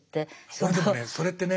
俺でもねそれってね